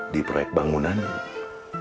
makanya valuqte an juga tuh